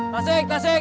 tasik tasik tasik